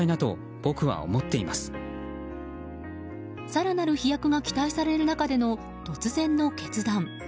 更なる飛躍が期待される中での突然の決断。